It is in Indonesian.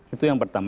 itu yang pertama